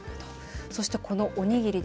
そして、このおにぎり